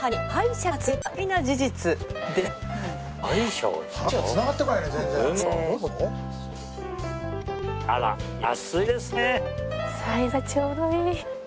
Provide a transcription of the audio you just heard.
サイズがちょうどいい。